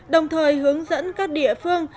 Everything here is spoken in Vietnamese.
đồng thời hướng dẫn các địa phương